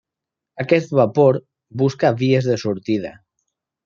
Aquest vapor busca vies de sortida.